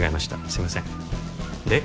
すいませんで？